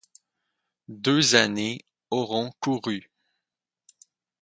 Deux années auront couru.